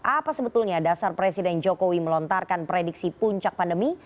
apa sebetulnya dasar presiden jokowi melontarkan prediksi puncak pandemi